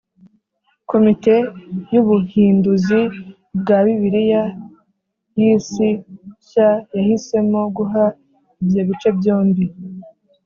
Komite y ubuhinduzi bwa bibiliya y isi nshya yahisemo guha ibyo bice byombi